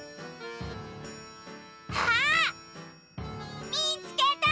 あっ！みつけた！